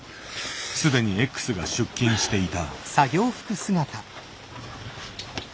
既にＸが出勤していた。